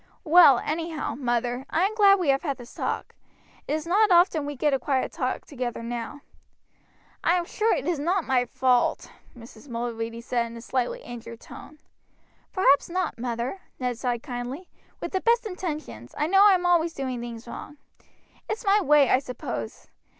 Well, anyhow, mother, I am glad we have had this talk. It is not often we get a quiet talk together now." "I am sure it is not my fault," Mrs. Mulready said in a slightly injured tone. "Perhaps not, mother," Ned said kindly. "With the best intentions, I know I am always doing things wrong. It's my way, I suppose.